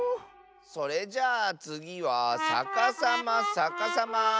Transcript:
それじゃあつぎはさかさまさかさま！